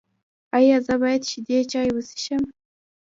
ایا زه باید شیدې چای وڅښم؟